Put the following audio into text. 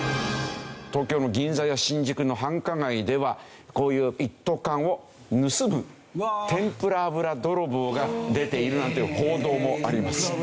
東京の銀座や新宿の繁華街ではこういう一斗缶を盗む。が出ているなんていう報道もあります。